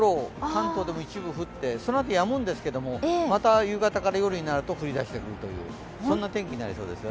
関東でも一部降って、そのあとやむんですけれども、また夕方から夜になると降り出してくるというそんな天気になりそうです。